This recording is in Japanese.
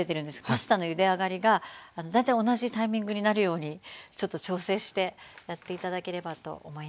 パスタのゆで上がりが大体同じタイミングになるようにちょっと調整してやって頂ければと思います。